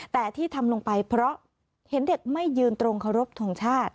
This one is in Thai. แต่ที่ทำลงไปเพราะเห็นเด็กไม่ยืนตรงเคารพทงชาติ